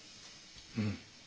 うん。